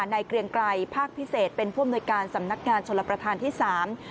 เกรียงไกรภาคพิเศษเป็นผู้อำนวยการสำนักงานชลประธานที่สาม